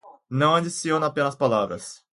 Não adicione apenas palavras